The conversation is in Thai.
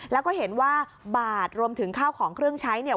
แล้วก็เห็นว่าบาทรวมถึงข้าวของเครื่องใช้เนี่ย